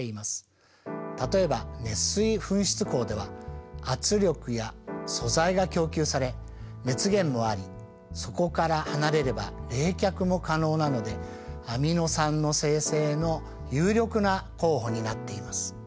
例えば熱水噴出孔では圧力や素材が供給され熱源もありそこから離れれば冷却も可能なのでアミノ酸の生成の有力な候補になっています。